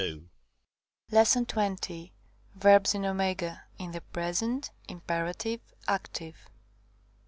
§ 20. Verbs in @, in the present, imperative, active.